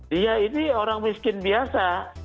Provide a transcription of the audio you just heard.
dia ini orang miskin biasa